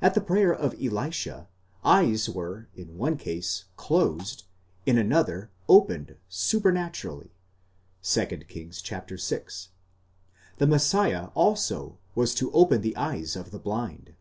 At the prayer of Elisha, eyes were in one case closed, in another, opened supernaturally (2 Kings vi.): the Messiah also was to open the eyes of the blind.